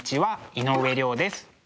井上涼です。